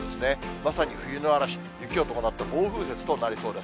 まさに冬の嵐、雪を伴った暴風雪となりそうです。